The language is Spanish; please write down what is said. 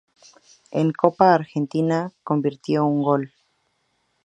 En Copa Argentina convirtió un gol.